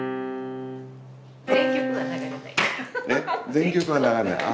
全曲は流れないから。